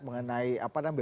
mengenai apa namanya